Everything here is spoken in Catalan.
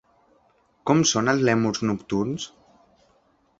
Com són els lèmurs nocturns?